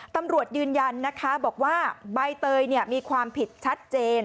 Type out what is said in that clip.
ตำรวจยืนยันนะคะบอกว่าใบเตยมีความผิดชัดเจน